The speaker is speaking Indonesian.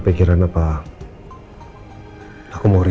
silahkan mbak mbak